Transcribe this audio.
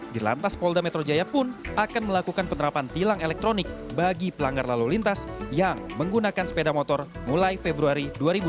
di lantas polda metro jaya pun akan melakukan penerapan tilang elektronik bagi pelanggar lalu lintas yang menggunakan sepeda motor mulai februari dua ribu dua puluh